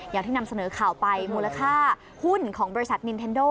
อย่างที่นำเสนอข่าวไปมูลค่าหุ้นของบริษัทนินเทนโด